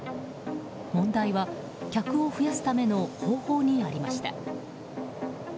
問題は、客を増やすための方法にありました。